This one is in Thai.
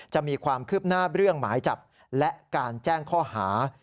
จะมีความคืบหน้าเรื่องหมายจับและการแจ้งข้อหา